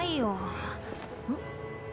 ん？